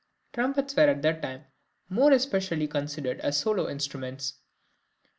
Trumpets were at that time more especially considered as solo instruments.